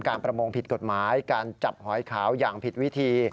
ประมงผิดกฎหมายการจับหอยขาวอย่างผิดวิธี